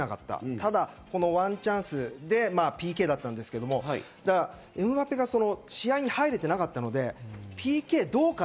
ただワンチャンスでＰＫだったんですけど、エムバペが試合に入れてなかったのでＰＫどうかな？